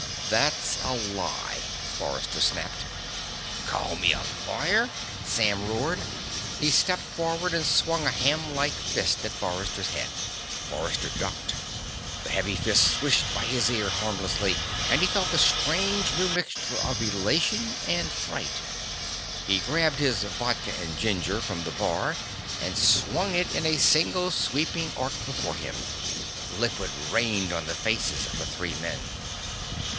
"That's a lie!" Forrester snapped. "Call me a liar?" Sam roared. He stepped forward and swung a hamlike fist at Forrester's head. Forrester ducked. The heavy fist swished by his ear harmlessly, and he felt a strange new mixture of elation and fright. He grabbed his vodka and ginger from the bar and swung it in a single sweeping arc before him. Liquid rained on the faces of the three men.